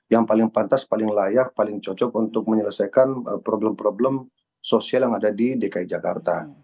yang paling pantas paling layak paling cocok untuk menyelesaikan problem problem sosial yang ada di dki jakarta